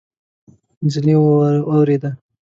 نجلۍ واورېده.